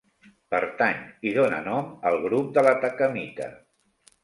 Pertany i dóna nom al grup de l'atacamita.